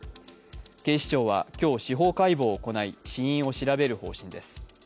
警視庁は今日、司法解剖を行い死因を調べる方針です。